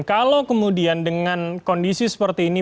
kalau kemudian dengan kondisi seperti ini